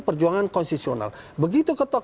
perjuangan konstitusional begitu ketuk